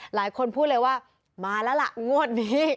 หลายคนพูดเลยว่ามาแล้วล่ะงวดนี้